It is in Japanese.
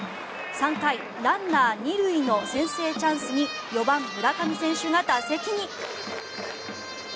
３回、ランナー２塁の先制チャンスに４番、村上選手が打席に。